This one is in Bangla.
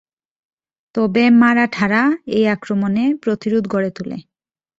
তবে মারাঠারা এই আক্রমণে প্রতিরোধ গড়ে তোলে।